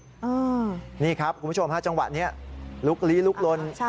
นี่ครับคุณผู้ชมฮะจังหวะนี้ลุกลี้ลุกลน